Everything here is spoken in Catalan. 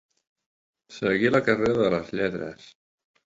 Seguir la carrera de les lletres.